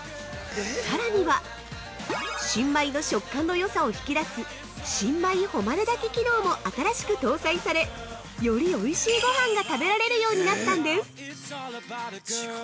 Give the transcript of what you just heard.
さらには新米の食感のよさを引き出す新米誉れ炊き機能も新しく搭載されよりおいしいごはんが食べられるようになったんです。